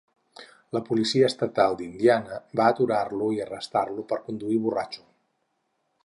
La policia estatal d'Indiana va aturar-lo i arrestar-lo per conduir borratxo.